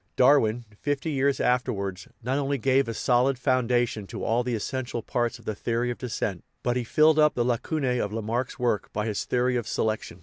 Darwin, fifty years afterwards, not only gave a solid founda tion to all the essential parts of the theory of descent, but he filled up the lacunae of Lamarck's work by his theory of selection.